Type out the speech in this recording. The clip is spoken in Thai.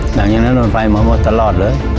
หลังจากนั้นโดนไฟมาหมดตลอดเลย